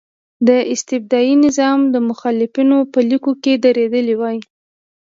د استبدادي نظام د مخالفینو په لیکو کې درېدلی وای.